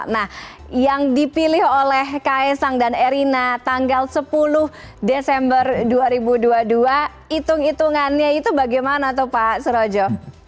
nah yang dipilih oleh kaisang dan erina tanggal sepuluh desember dua ribu dua puluh dua hitung hitungannya itu bagaimana tuh pak surojo